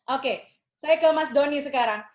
oke saya ke mas doni sekarang